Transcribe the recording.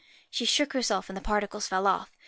She shook herself, and the particles fell off.